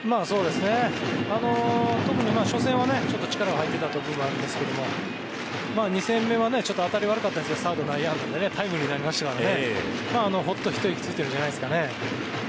特に初戦はちょっと力が入っていた部分があるんですけど２戦目は当たりが悪かったですけどサード、内野安打でタイムリーになりましたからほっと一息ついてるんじゃないですかね。